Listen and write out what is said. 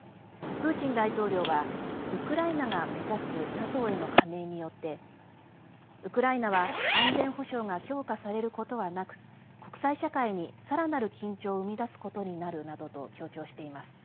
プーチン大統領はウクライナが目指すＮＡＴＯへの加盟によってウクライナは安全保障が強化されることはなく国際社会に、さらなる緊張を生み出すことになるなどと強調しています。